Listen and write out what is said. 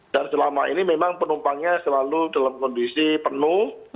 dan selama ini memang penumpangnya selalu dalam kondisi penuh